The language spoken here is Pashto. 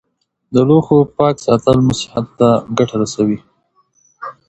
پنېر د لوښو پاک ساتل غواړي.